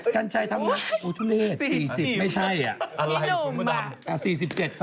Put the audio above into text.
กันใช่ทำงานเฮ้ยโอ้โธเล๔๐ไม่ใช่ยังไม่เหาะ